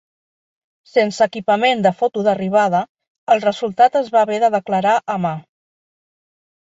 Sense equipament de foto d'arribada, el resultat es va haver de declarar a mà.